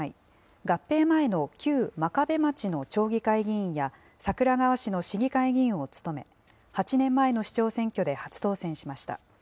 合併前の旧真壁町の町議会議員や桜川市の市議会議員を務め、８年前の市長選挙で初当選しました。